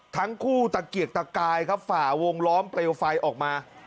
ตะเกียกตะกายครับฝ่าวงล้อมเปลวไฟออกมา